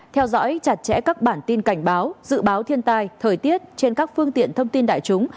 theo dõi chặt chẽ các bản tin cảnh báo dự báo thiên tai thời tiết trên các phương tiện thông tin đại chúng